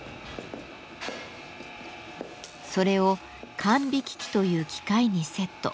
それを管引機という機械にセット。